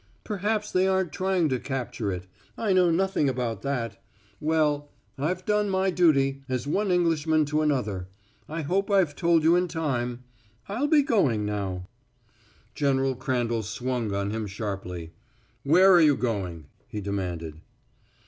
"Perhaps they aren't trying to capture it. I know nothing about that. Well I've done my duty as one Englishman to another. I hope I've told you in time. I'll be going now." General Crandall swung on him sharply. "Where are you going?" he demanded.